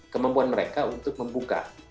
kemampuan mereka untuk membuka